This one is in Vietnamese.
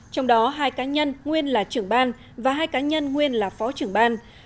trong đó hai cá nhân nguyên là trưởng ban và hai cá nhân nguyên là phó trưởng ban